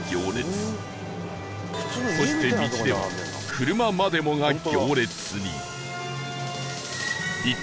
そして道では車までもが行列に